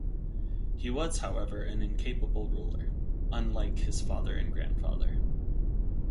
He was, however, an incapable ruler; unlike his father and grandfather.